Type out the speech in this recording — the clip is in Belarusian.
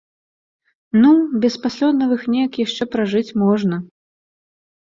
Ну, без паслёнавых неяк яшчэ пражыць можна.